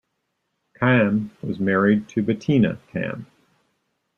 Kamm was married to Bettina Kamm.